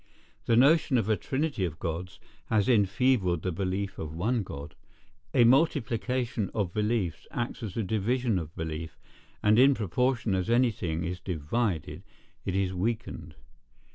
The notion of a Trinity of Gods has enfeebled the belief of one God. A multiplication of beliefs acts as a division of belief; and in proportion as anything is divided, it is weakened.